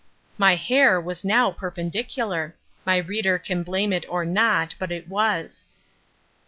My hair was now perpendicular. My reader can blame it or not, but it was.